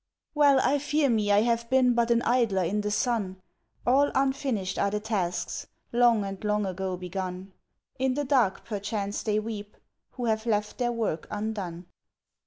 Well I fear me I have been but an idler in the sun All unfinished are the tasks long and long ago begun In the dark perchance they weep, who have left their work undone.